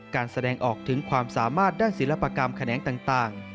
การแสดงออกถึงความสามารถด้านศิลปกรรมแขนงต่าง